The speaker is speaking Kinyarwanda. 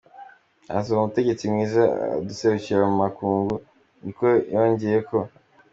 Azoba umutegetsi mwiza aduserukira mu makungu,” ni ko yongeyeko.